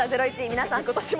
皆さん今年も。